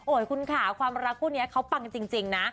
คุณค่ะความรักคู่นี้เขาปังจริงนะ